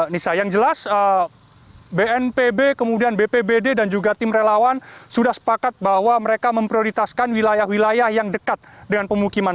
nisa yang jelas bnpb kemudian bpbd dan juga tim relawan sudah sepakat bahwa mereka memprioritaskan wilayah wilayah yang dekat dengan pemukiman